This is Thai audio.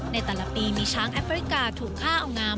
ในแต่ละปีมีช้างแอฟริกาถูกฆ่าเอางาม